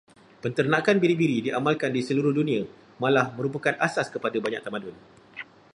Penternakan biri-biri diamalkan di seluruh dunia, malah merupakan asas kepada banyak tamadun.